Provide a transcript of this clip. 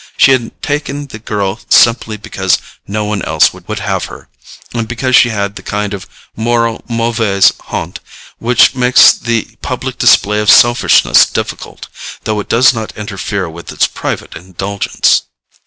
She had taken the girl simply because no one else would have her, and because she had the kind of moral MAUVAISE HONTE which makes the public display of selfishness difficult, though it does not interfere with its private indulgence.